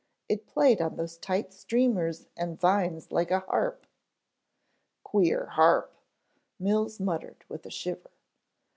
It played on those tight streamers and vines like a harp " "Queer harp," Mills muttered with a shiver.